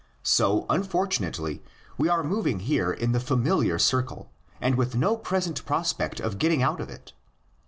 So unfortunately we are moving here in the familiar circle, and with no present prospect of getting out of it.